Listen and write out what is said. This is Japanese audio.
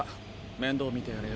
面倒見てやれよ